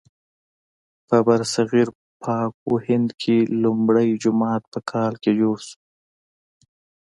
په برصغیر پاک و هند کې لومړی جومات په کال کې جوړ شو.